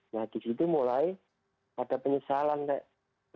nah di situ mulai ada penyesalan kayak